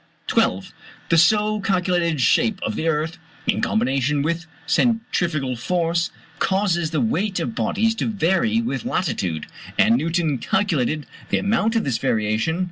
12. The so calculated shape of the earth, in combination with centrifugal force, causes the weight of bodies to vary with latitude; and Newton calculated the amount of this variation.